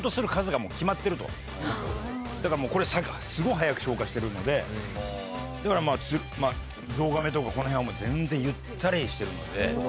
だからこれすごい早く消化してるのでだからゾウガメとかこのへんは全然ゆったりしてるので。